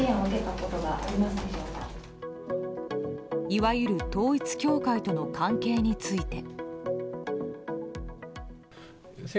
いわゆる統一教会との関係について。